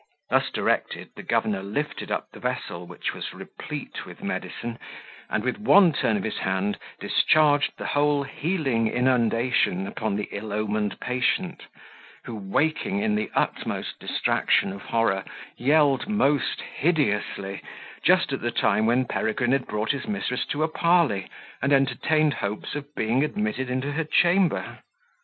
Thus directed, the governor lifted up the vessel, which was replete with medicine, and with one turn of his hand, discharged the whole healing inundation upon the ill omened patient, who, waking in the utmost distraction of horror, yelled most hideously, just at the time when Peregrine had brought his mistress to a parley, and entertained hopes of being admitted into her chamber.